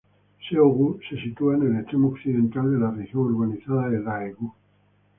Seo-gu se sitúa en el extremo occidental de la región urbanizada de Daegu.